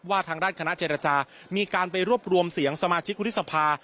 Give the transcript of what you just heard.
ทางด้านคณะเจรจามีการไปรวบรวมเสียงสมาชิกวุฒิสภา